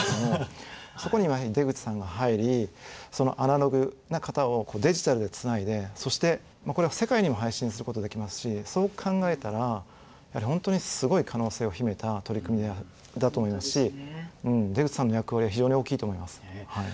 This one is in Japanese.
そこに出口さんが入りアナログな方をデジタルでつないでそしてこれは世界にも配信することできますしそう考えたら本当にすごい可能性を秘めた取り組みだと思いますし出口さんの役割は非常に大きいと思います。